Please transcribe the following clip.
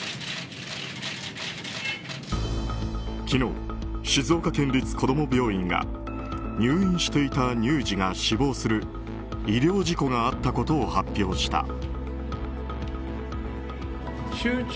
昨日、静岡県立こども病院が入院していた乳児が死亡する医療事故があったことを発表した。